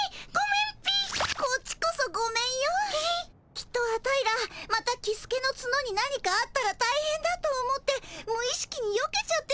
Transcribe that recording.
きっとアタイらまたキスケのツノに何かあったらたいへんだと思って無意識によけちゃってたんだよ。